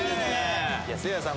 せいやさん